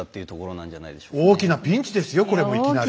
大きなピンチですよこれもいきなり。